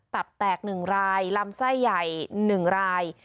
ตับแตก๑รายลำไส้ใหญ่๑ราย